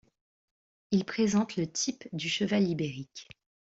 Il présente le type du cheval ibérique.